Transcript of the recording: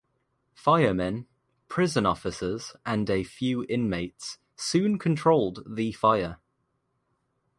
Firemen, prison officers and a few inmates soon controlled the fire.